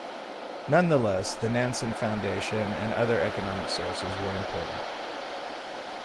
Nonetheless, the Nansen Foundation and other economic sources were important.